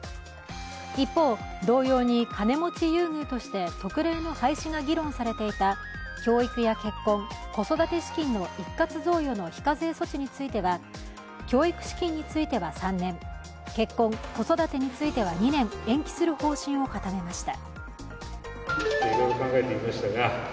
一方、同様に金持ち優遇として特例の廃止が議論されていた教育や結婚、子育て資金の一括贈与の非課税措置については、教育資金については３年、結婚・子育てについては２年、延期する方針を固めました。